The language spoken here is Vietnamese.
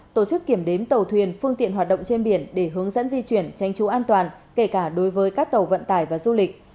tổ chức kiểm đếm tàu thuyền phương tiện hoạt động trên biển để hướng dẫn di chuyển tranh trú an toàn kể cả đối với các tàu vận tải và du lịch